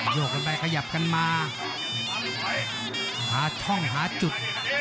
โยกกันไปขยับกันมาหาช่องหาจุด